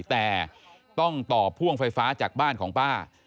แต่ต้องต่อพ่วงไฟฟ้าจากบ้านของป้า